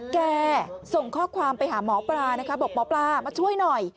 แกส่งข้อความไปหาหมอปลานะคะบอกหมอปลามาช่วยหน่อย